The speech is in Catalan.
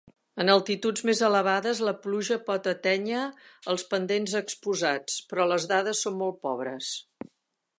En altituds mes elevades, la pluja pot atènyer els pendents exposats, però les dades són molt pobres.